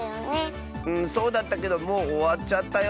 うんそうだったけどもうおわっちゃったよ。